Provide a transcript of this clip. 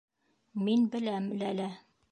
Мин беләм, Ләлә.